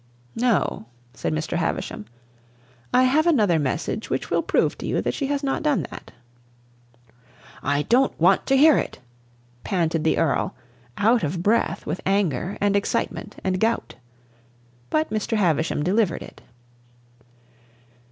"No," said Mr. Havisham. "I have another message, which will prove to you that she has not done that." "I don't want to hear it!" panted the Earl, out of breath with anger and excitement and gout. But Mr. Havisham delivered it.